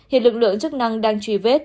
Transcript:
hiện lực lượng chức năng đang truy vết